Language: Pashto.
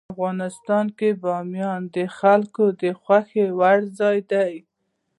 افغانستان کې بامیان د خلکو د خوښې وړ ځای دی.